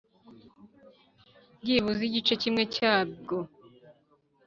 byibuze igice kimwe cyabwo.